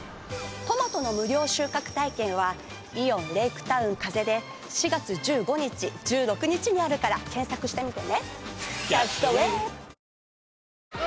トマトの無料収穫体験はイオンレイクタウンｋａｚｅで４月１５日１６日にあるから検索してみてね。